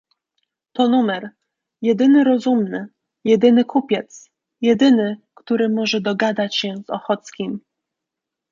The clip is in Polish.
"To numer... „Jedyny rozumny... jedyny kupiec... jedyny, który może dogadać się z Ochockim?..."